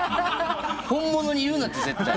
本物に言うなって絶対。